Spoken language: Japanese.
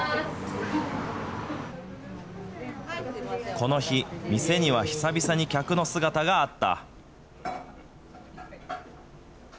この日、店には久々に客の姿があった。